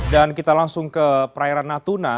dan kita langsung ke perairan natuna